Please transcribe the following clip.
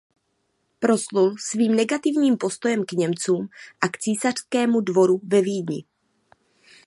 Proslul svým negativním postojem k Němcům a k císařskému dvoru ve Vídni.